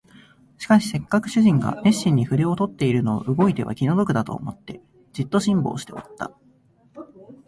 しかしせっかく主人が熱心に筆を執っているのを動いては気の毒だと思って、じっと辛抱しておった